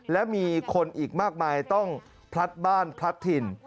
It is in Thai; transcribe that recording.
และมีคนอีกมากมายต้องพลัดบ้านพลัดถิ่น